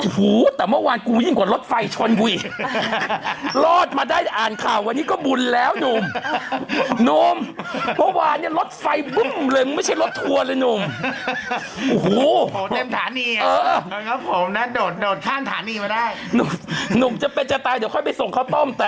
เฮ้ยคุณเตอร์ฝากขอบคุณน้องแอฟด้วยนะ